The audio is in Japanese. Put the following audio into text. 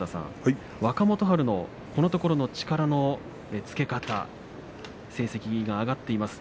若元春のこのところの力のつけ方成績が上がっています